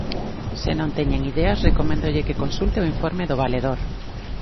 Se non teñen ideas, recoméndolle que consulte o informe do Valedor.